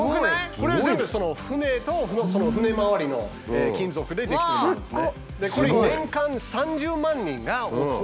これは全部船と船まわりの金属で出来てるものなんですね。